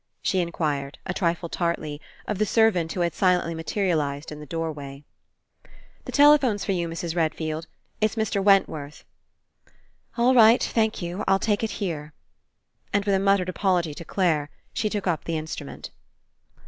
she inquired, a trifle tartly, of the servant who had silently materialized in the doorway. "The telephone's for you, Mrs. Red field. It's Mr. Wentworth." "All right. Thank you. I'll take it 122 RE ENCOUNTER here." And, with a muttered apology to Clare, she took up the Instrument.